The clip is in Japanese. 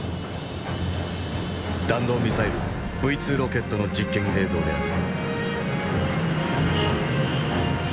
弾道ミサイルＶ２ロケットの実験映像である。